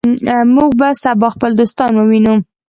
موږ به سبا خپل دوستان ووینو.